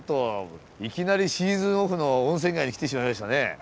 いきなりシーズンオフの温泉街に来てしまいましたね。